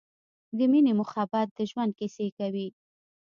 د مینې مخبت د ژوند کیسې کوی